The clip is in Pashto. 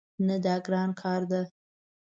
نه، دا ګران کار ده